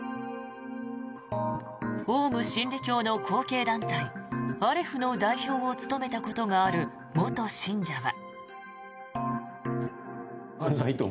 オウム真理教の後継団体アレフの代表を務めたことがある元信者は。